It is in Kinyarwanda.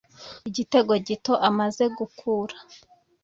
Igitego gito amaze gukura,